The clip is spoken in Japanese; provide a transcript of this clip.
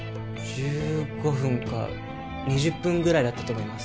１５分か２０分ぐらいだと思います